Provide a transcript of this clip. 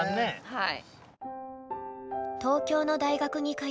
はい。